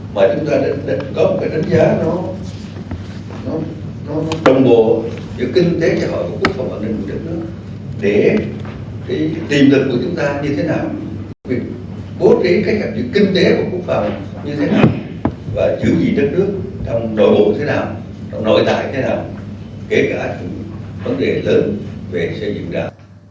để tìm được của chúng ta như thế nào bố trí các kinh tế của quốc phòng như thế nào và chứ gì đất nước trong nội bộ như thế nào trong nội tại như thế nào kể cả vấn đề lớn về xây dựng đảng